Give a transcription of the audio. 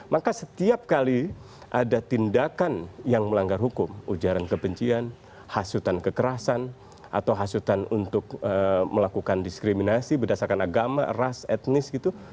maka setiap kali ada tindakan yang melanggar hukum ujaran kebencian hasutan kekerasan atau hasutan untuk melakukan diskriminasi berdasarkan agama ras etnis gitu